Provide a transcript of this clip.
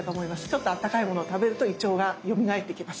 ちょっとあったかいものを食べると胃腸がよみがえってきます。